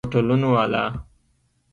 د هوټلونو والا!